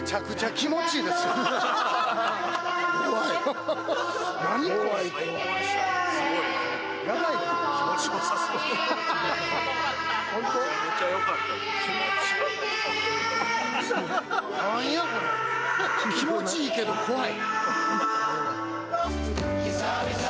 気持ちいいけど怖い。